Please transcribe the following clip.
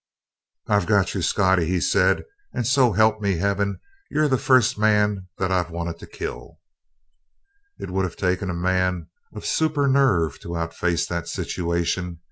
"I've got you, Scottie," he said, "and so help me heaven, you're the first man that I've wanted to kill." It would have taken a man of supernerve to outface that situation.